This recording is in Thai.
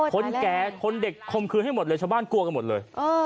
คนแก่คนเด็กคมคืนให้หมดเลยชาวบ้านกลัวกันหมดเลย